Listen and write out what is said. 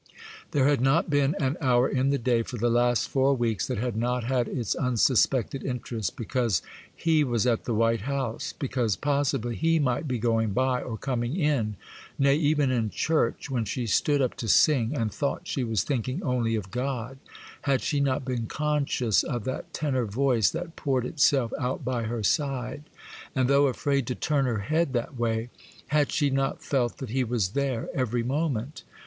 There had not been an hour in the day for the last four weeks that had not had its unsuspected interest,—because he was at the White House; because, possibly, he might be going by, or coming in: nay, even in church, when she stood up to sing, and thought she was thinking only of God, had she not been conscious of that tenor voice that poured itself out by her side? and though afraid to turn her head that way, had she not felt that he was there every moment?